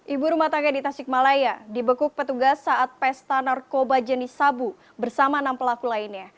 ibu rumah tangga di tasikmalaya dibekuk petugas saat pesta narkoba jenis sabu bersama enam pelaku lainnya